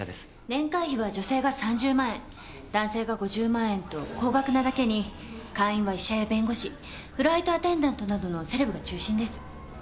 年会費は女性が３０万円男性が５０万円と高額なだけに会員は医者や弁護士フライトアテンダントなどのセレブが中心です。